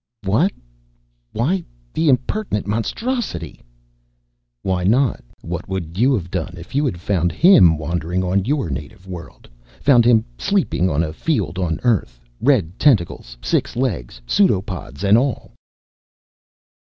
"What? Why, the impertinent monstrosity." "Why not? What would you have done if you had found him wandering on your native world; found him sleeping on a field on Earth, red tentacles, six legs, pseudopods and all?"